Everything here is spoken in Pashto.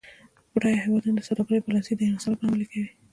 بډایه هیوادونه د سوداګرۍ پالیسي د انحصار لپاره عملي کوي.